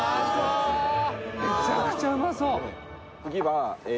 めちゃくちゃうまそう！